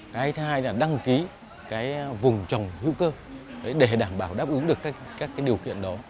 cái thứ hai là đăng ký cái vùng trồng hữu cơ để đảm bảo đáp ứng được các cái điều kiện đó